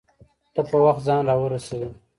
ته په وخت ځان راورسوه